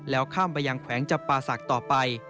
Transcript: แล้วข้ามไปยังแขวงจับป่าศักดิ์ต่อไป